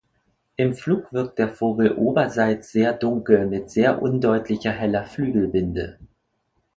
Im Flug wirkt der Vogel oberseits sehr dunkel mit sehr undeutlicher, heller Flügelbinde.